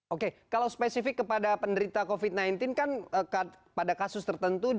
oke kalau spesifik kepada penderita covid sembilan belas kan pada kasus tertentu